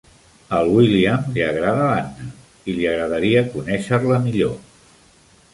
Al William li agrada l"Anna i li agradaria conèixer-la millor.